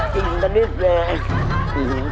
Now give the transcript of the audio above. จริงมะนิดนึง